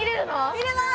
見れます！